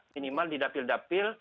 minimal di dapil dapil